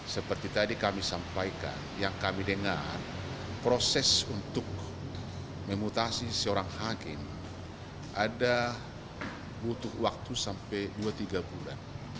seperti tadi kami sampaikan yang kami dengar proses untuk memutasi seorang hakim ada butuh waktu sampai dua tiga bulan